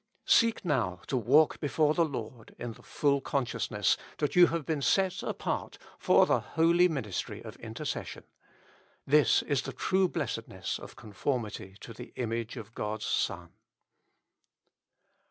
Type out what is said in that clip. Seek now to walk before the Lord in the full consciousness that you have been set apart for the holy Ministry of Intercession. This is the true blessedness of conformity to the image of God's Son.